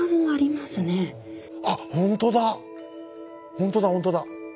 ほんとだほんとだ。